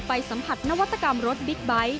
ไปสัมผัสนวัตกรรมรถบิ๊กไบท์